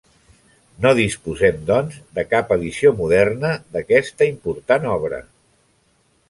No disposem, doncs, de cap edició moderna d’aquesta important obra.